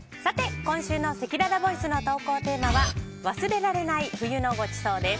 今週のせきららボイスの投稿テーマは忘れられない冬のごちそうです。